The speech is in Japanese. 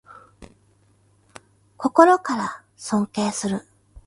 心から尊敬する